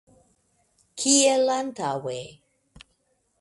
Kiel antaŭe.